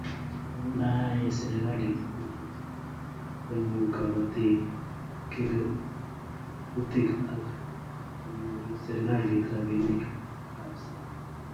Nda yae serikalit kuchotok konyuru kabatik kelutik ak konyoru serikalit rabinik ab sang'